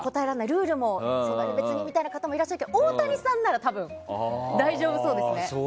ルールも別にみたいな方いらっしゃるけど大谷さんなら大丈夫そうですね。